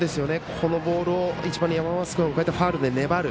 このボールを１番の山増君もファウルで粘る。